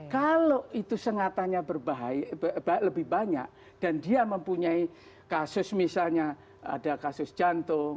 kalau itu sengatannya lebih banyak dan dia mempunyai kasus misalnya ada kasus jantung